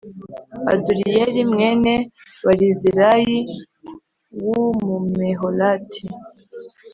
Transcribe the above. aduriyeli mwene barizilayi w umumeholati